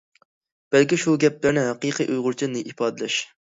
بەلكى شۇ گەپلەرنى ھەقىقىي ئۇيغۇرچە ئىپادىلەش.